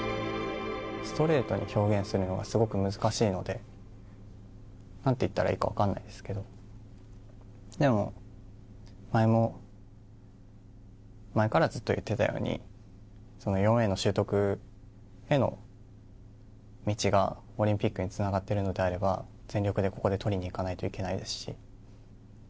ストレートに表現するのはすごく難しいのでなんて言ったらいいか分かんないですけどでも、前も前からずっと言っていたようにその４Ａの習得への道がオリンピックにつながっているのであれば全力でここで取りにいかないといけないですし